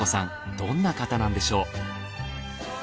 どんな方なんでしょう？